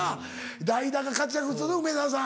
代打が活躍する梅沢さん